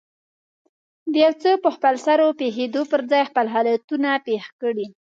د يو څه په خپلسر پېښېدو پر ځای خپل حالتونه پېښ کړي.